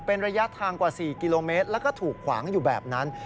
เป็นระยะทางกว่า๔กิโลเมตรแล้วก็ถูกขวางอยู่แบบนั้น